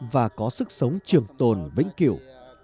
và có sức sống trường tồn vĩnh kiểu